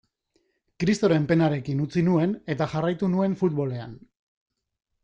Kristoren penarekin utzi nuen, eta jarraitu nuen futbolean.